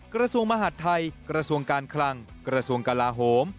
กระทรวงมหาดไทยกระทรวงการคลังกระทรวงกลาโหม